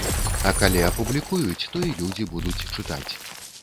А калі апублікуюць, то і людзі будуць чытаць.